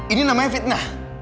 ini namanya fitnah